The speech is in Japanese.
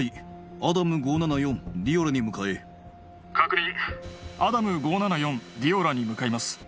アダム５７４ディオラに向かえ確認アダム５７４ディオラに向かいます